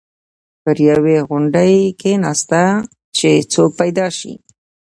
پر یوې غونډۍ کېناسته چې څوک پیدا شي.